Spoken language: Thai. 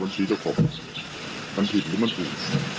ต้องคิดว่าสมมติว่ามันถูก